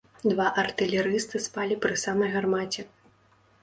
Два артылерысты спалі пры самай гармаце.